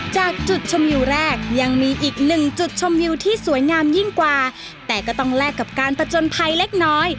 จากจุดชมอยู่แรกยังมีอีก๑จุดชมอยู่ที่สวยงามยิ่งกว่าแต่ก็ต้องแลกกับการประจนภัยเล็กน้อย